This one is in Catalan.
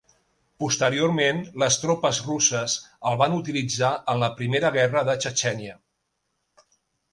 Posteriorment, les tropes russes el van utilitzar en la Primera guerra de Txetxènia.